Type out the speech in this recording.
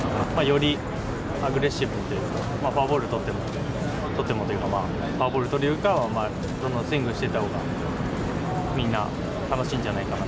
よりアグレッシブに、フォアボールとっても、とってもというか、フォアボール取るよりかは、どんどんスイングしていったほうが、みんな楽しいんじゃないかな